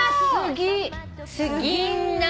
すぎんなん。